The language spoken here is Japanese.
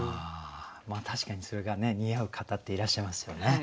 確かにそれが似合う方っていらっしゃいますよね。